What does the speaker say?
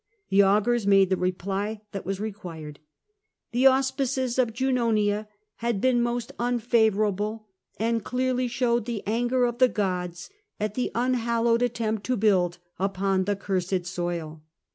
The augurs made the reply that was required: ^'The auspices of Junonia had been most unfavourable, and clearly showed the anger of the gods at the unhallo^'ed attempt to build upon the cursed soil."